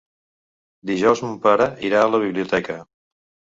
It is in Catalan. Dijous mon pare irà a la biblioteca.